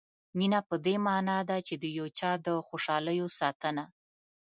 مینه په دې معنا ده چې د یو چا د خوشالیو ساتنه.